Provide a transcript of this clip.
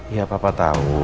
ya papa tau